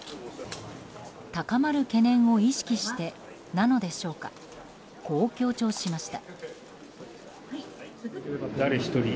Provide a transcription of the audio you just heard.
高まる懸念を意識してなのでしょうかこう強調しました。